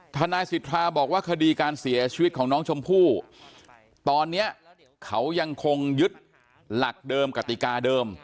ทนายสิทธาบอกว่าคดีการเสียชีวิตของน้องชมพู่ตอนนี้เขายังคงยึดหลักเดิมกติกาเดิม